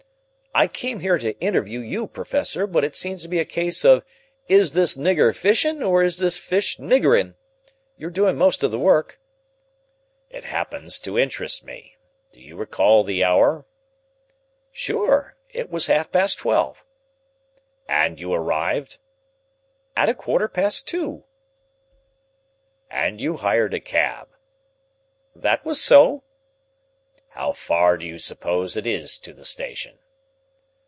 "I came here to interview you, Professor, but it seems to be a case of 'Is this nigger fishing, or is this fish niggering?' You're doing most of the work." "It happens to interest me. Do you recall the hour?" "Sure. It was half past twelve." "And you arrived?" "At a quarter past two." "And you hired a cab?" "That was so." "How far do you suppose it is to the station?"